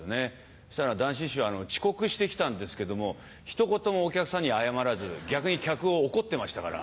そしたら談志師匠遅刻してきたんですけども一言もお客さんに謝らず逆に客を怒ってましたから。